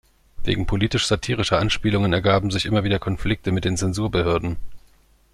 Wegen politisch-satirischer Anspielungen ergaben sich immer wieder Konflikte mit den Zensurbehörden.